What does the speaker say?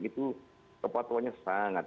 itu kepatuannya sangat